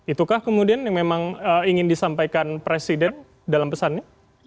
itukah kemudian yang memang ingin disampaikan presiden dalam pesannya